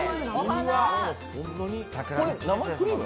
これ、生クリーム？